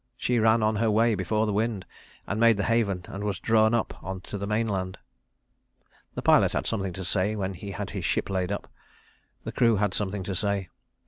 She ran on her way before the wind, and made the haven and was drawn up on to the mainland. The pilot had something to say when he had his ship laid up; the crew had something to say.